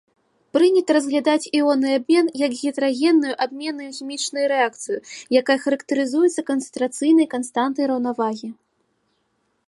Прынята разглядаць іонны абмен як гетэрагенную абменную хімічную рэакцыю, якая характарызуецца канцэнтрацыйнай канстантай раўнавагі.